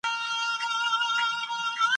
که ماشوم ته معلومات ورکړل شي، ستونزه کمه شي.